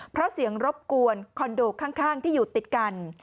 เพราะเสียงรบกวนคอนโดข้างที่อยู่ติดกัน